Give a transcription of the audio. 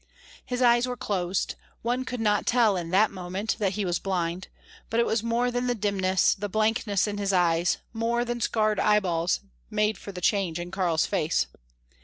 His eyes were closed, one could not tell in that moment that he was blind, but it was more than the dimness, the blankness in his eyes, more than scarred eyeballs, made for the change in Karl's face.